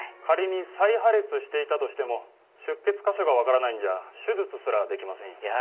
仮に再破裂していたとしても出血箇所が分からないんじゃ手術すらできませんよ。